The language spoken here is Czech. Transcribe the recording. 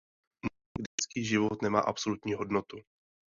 Můžeme budovat zdravější společnost, když lidský život nemá absolutní hodnotu?